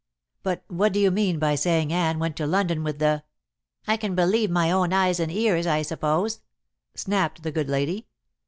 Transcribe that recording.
"But what do you mean by saying Anne went to London with the " "I can believe my own eyes and ears, I suppose," snapped the good lady.